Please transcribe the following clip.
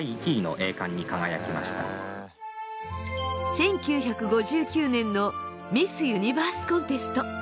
１９５９年のミス・ユニバースコンテスト。